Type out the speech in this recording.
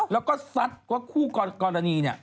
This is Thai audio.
แล้วก็ซัดว่าคู่กรณีเนี่ย